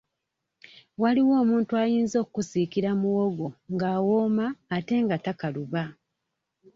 Waliwo omuntu ayinza okkusiikira muwogo ng'awooma ate nga takaluba.